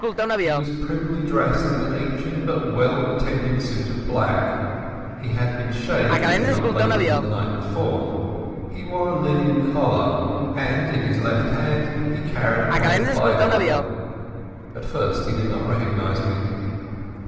He was primly dressed in an ancient but well tended suit of black; he had been shaved not later than the night before; he wore a linen collar; and in his left hand he carried a pocket Bible. At first he did not recognize me.